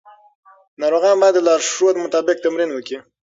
ناروغان باید د لارښود مطابق تمرین وکړي.